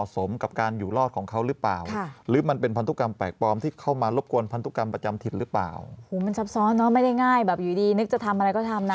โอ้โหมันซับซ้อนเนอะไม่ได้ง่ายแบบอยู่ดีนึกจะทำอะไรก็ทำนะ